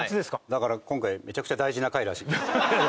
だから今回めちゃくちゃ大事な回らしい。